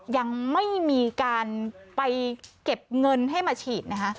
ยังไม่มีการไปเก็บเงินให้มาฉีดนะคะ